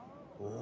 お！